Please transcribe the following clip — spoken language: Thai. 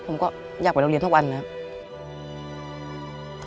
ผมก็อยากไปโรงเรียนทุกวันนะครับ